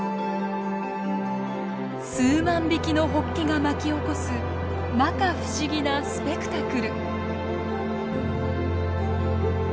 数万匹のホッケが巻き起こすまか不思議なスペクタクル。